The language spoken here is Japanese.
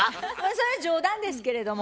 それは冗談ですけれども。